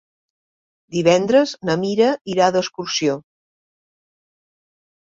Divendres na Mira irà d'excursió.